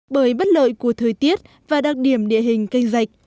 bởi bất lợi của thời tiết và đặc điểm địa hình canh dạch